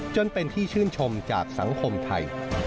จนเป็นที่ชื่นชมจากสังคมไทย